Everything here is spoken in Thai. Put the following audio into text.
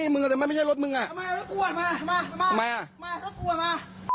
มารถกลัวมา